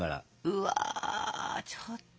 うわちょっと。